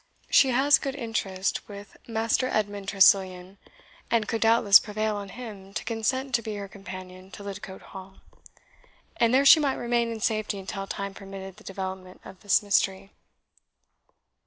She has good interest with Master Edmund Tressilian, and could doubtless prevail on him to consent to be her companion to Lidcote Hall, and there she might remain in safety until time permitted the development of this mystery."